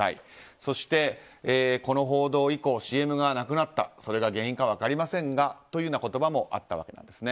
そしてこの報道以降ＣＭがなくなったそれが原因か分かりませんがというような言葉もあったわけなんです。